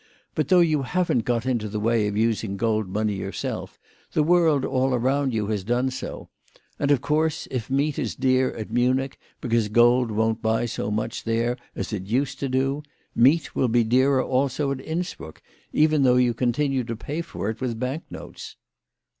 But though you haven't got into the way of using gold money yourself, the world all around you has done so ; and, of course, if meat is dear at Munich because gold won't buy so much there as it used to do, meat will be dearer also at Innsbruck, even though you continue to pay for it with bank notes."